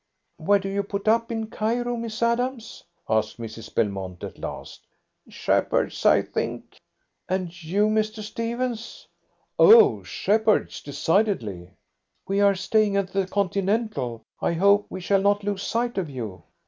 "Where do you put up in Cairo, Miss Adams?" asked Mrs. Belmont at last. "Shepheard's, I think." "And you, Mr. Stephens?" "Oh, Shepheard's, decidedly." "We are staying at the Continental. I hope we shall not lose sight of you."